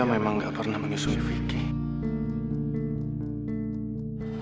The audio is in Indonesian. cynthia memang gak pernah menyusui vicky